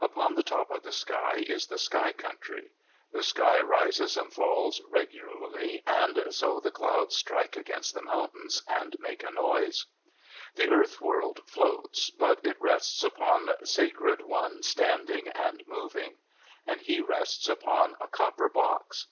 Upon the top of the sky is the Sky Country. The sky rises and falls regularly, and so the clouds strike against the mountains and make a noise. The Earth World floats, but it rests upon Sacred One standing and moving, and he rests upon a copper box.